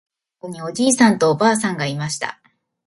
むかしむかしあるところにおじいさんとおばあさんがいました。